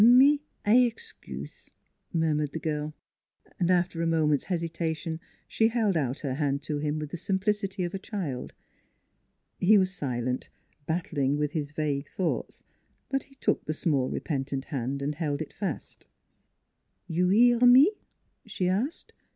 " Me I ex cuse," murmured the girl. After a moment's hesitation she held out her hand to him with the simplicity of a child. He was silent, battling with his vague thoughts ; but he took the small, repentant hand and held it fast. "You 'ear me?" she asked.